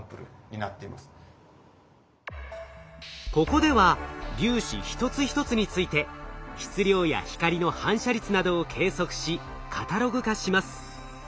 ここでは粒子一つ一つについて質量や光の反射率などを計測しカタログ化します。